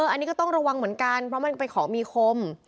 อันนี้ก็ต้องระวังเหมือนกันเพราะมันเป็นของมีคม